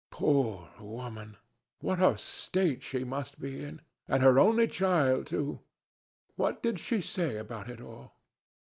Poor woman! What a state she must be in! And her only child, too! What did she say about it all?"